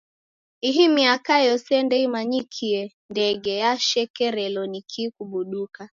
Ihi miaka yose ndeimanyikie ndege yashekerelo ni kii kubuduka.